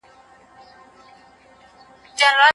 خیرات او صدقات د ټولني دردونه دوا کوي.